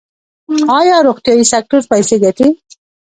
آیا روغتیايي سکتور پیسې ګټي؟